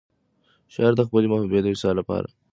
شاعر د خپلې محبوبې د وصال لپاره د ترنګ له روده سوال کوي.